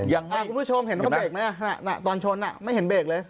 คุณผู้ชมเห็นว่าเขาเบรกไหมตอนชนไม่เห็นเบรกเลย